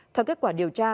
theo kết quả điều tra